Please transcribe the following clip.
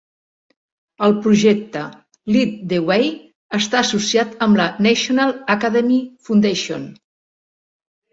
El projecte Lead the Way està associat amb la National Academy Foundation.